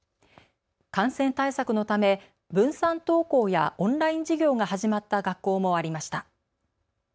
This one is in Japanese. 感染対策のため分散登校やオンライン授業が始まった学校もありました。